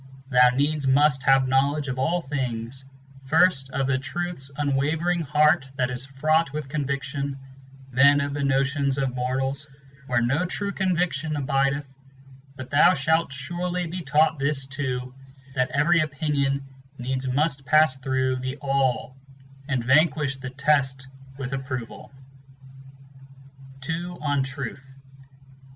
Thou needs must have knowledge of all things, Firsts of the Truth's unwavering heart that is fraught with conviction, Then of the notions of mortals, where no true conviction abideth, But thou shalt surely be taught this too, that every opinion Needs must pass through a the All, and vanquish the test with approval. 1 II. On Truth.